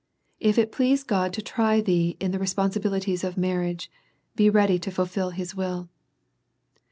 If it please God to try thee in the responsibilities of marriage, be ready to fulfil his will."